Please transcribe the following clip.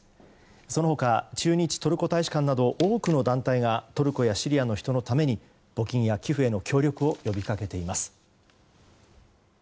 その他、駐日トルコ大使館など多くの団体がトルコやシリアの人のために募金や寄付への協力を呼び掛けています。